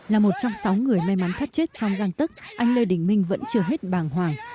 là một trong sáu người may mắn thất chết trong găng tức anh lê đình minh vẫn chưa hết bàng hoàng